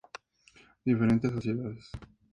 En el distrito, fue escenario de diferentes sociedades.